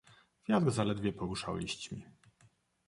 "Wiatr zaledwie poruszał liśćmi."